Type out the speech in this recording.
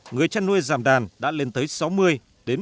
người chăn nuôi giảm đàn đã lên tới sáu mươi ba mươi